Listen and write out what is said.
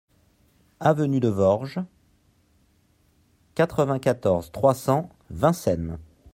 Avenue de Vorges, quatre-vingt-quatorze, trois cents Vincennes